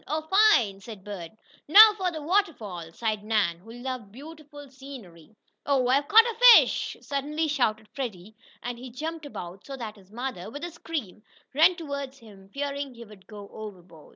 "Oh, fine!" said Bert. "Now for the waterfall!" sighed Nan, who loved beautiful scenery. "Oh, I've caught a fish!" suddenly shouted Freddie and he jumped about so that his mother, with a scream, ran toward him, fearing he would go overboard.